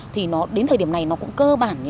thì đến thời điểm này nó cũng cơ bản